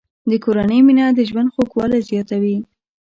د کورنۍ مینه د ژوند خوږوالی زیاتوي.